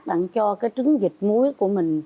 đang cho cái trứng vịt muối của mình